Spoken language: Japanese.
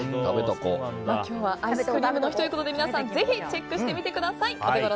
今日はアイスクリームの日ということで皆さんぜひチェックしてみてください。